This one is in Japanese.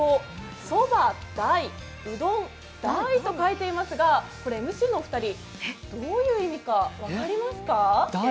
そば台、うどん台と書いていますがこれＭＣのお二人どういう意味か分かりますか？